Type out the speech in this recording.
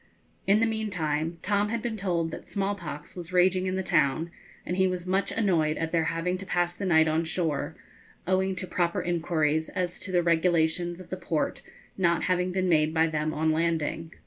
In the meantime Tom had been told that small pox was raging in the town, and he was much annoyed at their having to pass the night on shore, owing to proper inquiries as to the regulations of the port not having been made by them on landing.